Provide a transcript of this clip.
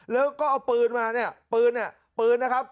แล้วก็เอาปืนมาเนี่ยปืนนะครับ